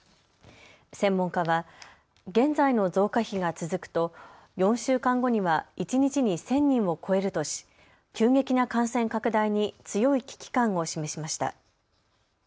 専門家は現在の増加比が続くと４週間後には一日に１０００人を超えるとし、急激な感染拡大に強い危機感を示しました。